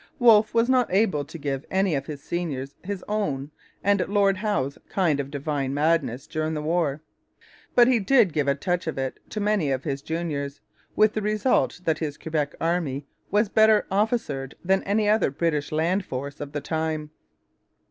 Wolfe was not able to give any of his seniors his own and Lord Howe's kind of divine 'madness' during that war. But he did give a touch of it to many of his juniors; with the result that his Quebec army was better officered than any other British land force of the time.